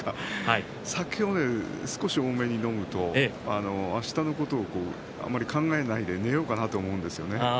酒を少し多めに飲むと明日のことを考えないで寝ようかなと思うんですよね。